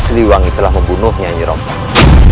seliwangi sudah membunuh dia nyerompang